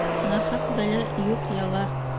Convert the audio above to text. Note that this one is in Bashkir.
Нахаҡ бәлә, юҡ яла.